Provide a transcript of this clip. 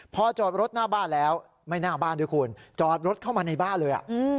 พอจอดรถหน้าบ้านแล้วไม่หน้าบ้านด้วยคุณจอดรถเข้ามาในบ้านเลย